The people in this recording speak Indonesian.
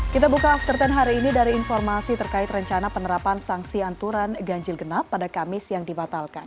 kita buka after sepuluh hari ini dari informasi terkait rencana penerapan sanksi anturan ganjil genap pada kamis yang dibatalkan